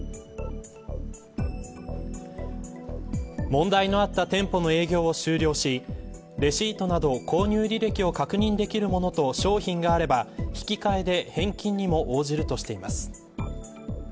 問題のあった店舗の営業を終了しレシートなど購入履歴を確認できるものと商品があれば引き換えで返金にも応じるとしています。